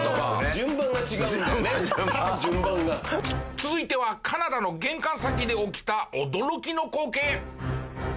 続いてはカナダの玄関先で起きた驚きの光景！